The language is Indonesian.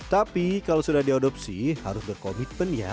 tapi kalau sudah diadopsi harus berkomitmen ya